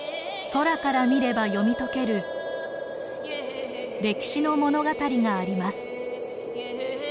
空から見れば読み解ける歴史の物語があります。